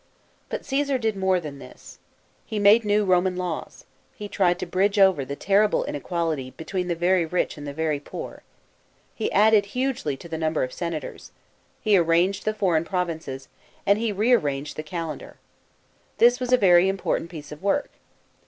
But Cresar did more than this. He made new Roman laws, he tried to bridge over the terrible inequality, between the very ridh and the very poor, he added hugely to the number of senators, he 190 CAESAR SUPREME. [B.C. 46. arranged the foreign provinces, and he rearranged the calendar. This was a very important piece of work.